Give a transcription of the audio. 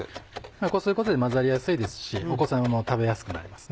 こうすることで混ざりやすいですしお子さまも食べやすくなりますね。